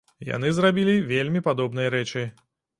Яны зрабілі вельмі падобныя рэчы.